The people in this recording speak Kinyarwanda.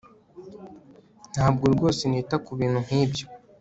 Ntabwo rwose nita kubintu nkibyo